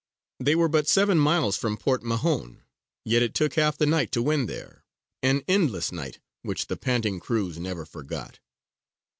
They were but seven miles from Port Mahon, yet it took half the night to win there an endless night which the panting crews never forgot.